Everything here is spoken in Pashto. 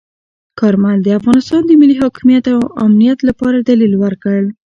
کارمل د افغانستان د ملي حاکمیت او امنیت لپاره دلیل ورکړ.